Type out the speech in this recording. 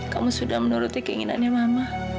kamu sudah menuruti keinginannya mama